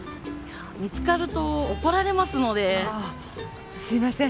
見つかると怒られますのですいません